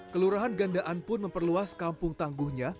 kelurahan gandaan pun memperluas kampung tangguhnya